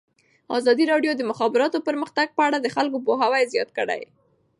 ازادي راډیو د د مخابراتو پرمختګ په اړه د خلکو پوهاوی زیات کړی.